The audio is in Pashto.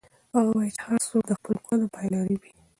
هغه وایي چې هر څوک د خپلو کړنو پایله رېبي.